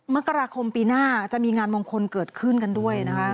มกราคมปีหน้าจะมีงานมงคลเกิดขึ้นกันด้วยนะคะ